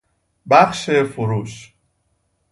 بخش فروش